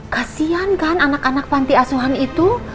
kasian kan anak anak panti asuhan itu